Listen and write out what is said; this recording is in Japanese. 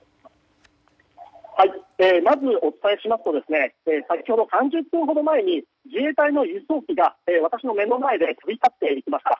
まずお伝えしますと先ほど、３０分ほど前に自衛隊の輸送機が私の目の前で飛び立っていきました。